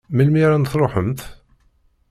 Melmi ara n-truḥemt?